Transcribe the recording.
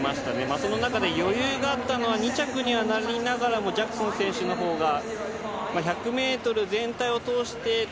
その中で余裕があったのは２着にはなりながらもジャクソン選手の方が１００ｍ全体を通してタ